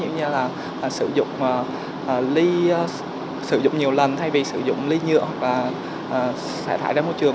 cũng như là sử dụng ly sử dụng nhiều lần thay vì sử dụng ly nhựa hoặc là xả thải ra môi trường